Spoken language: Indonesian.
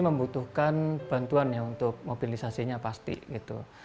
membutuhkan bantuan ya untuk mobilisasinya pasti gitu